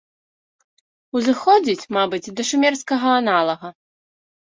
Узыходзіць, мабыць, да шумерскага аналага.